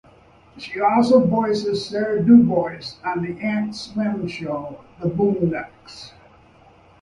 She also voices Sarah Dubois on the Adult Swim show "The Boondocks".